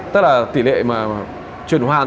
tức là tỷ lệ mà truyền hoàn